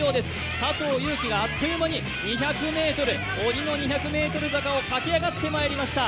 佐藤悠基があっという間に鬼の２００ｍ坂を駆け上がってきました。